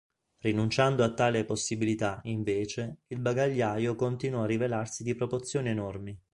Rinunciando a tale possibilità, invece, il bagagliaio continuò a rivelarsi di proporzioni enormi.